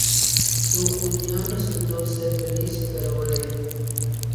Su unión resultó ser feliz, pero breve.